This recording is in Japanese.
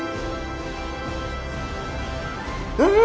うん！